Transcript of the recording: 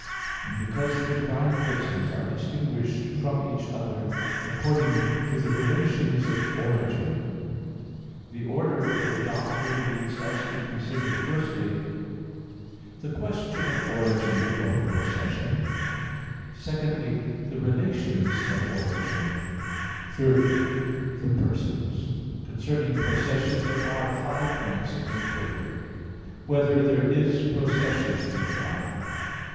And because the divine Persons are distinguished from each other according to the relations of origin, the order of the doctrine leads us to consider firstly, the question of origin or procession; secondly, the relations of origin; thirdly, the persons. Concerning procession there are five points of inquiry: (1) Whether there is procession in God?